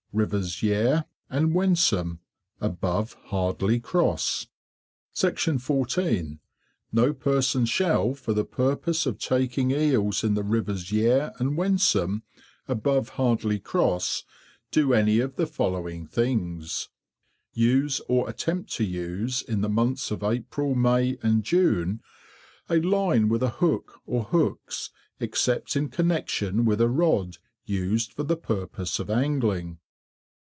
—RIVERS YARE AND WENSUM, ABOVE HARDLEY CROSS. 14. No person shall, for the purpose of taking Eels in the Rivers Yare and Wensum, above Hardley Cross, do any of the following things:— 1. Use or attempt to use in the months of April, May, and June, a line with a hook or hooks, except in connection with a rod used for the purpose of Angling.